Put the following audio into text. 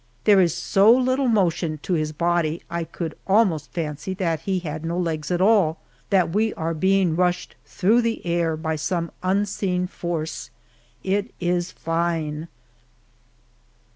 There is so little motion to his body I could almost fancy that he had no legs at all that we are being rushed through the air by some unseen force. It is fine!